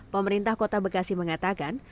pemerintah kota bekasi mengatakan